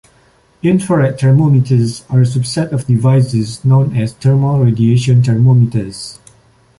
Infrared thermometers are a subset of devices known as "thermal radiation thermometers".